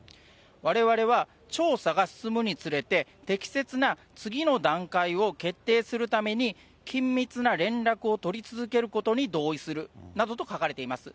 われわれは調査が進むにつれて、適切な次の段階を決定するために、緊密な連絡を取り続けることに同意するなどと書かれています。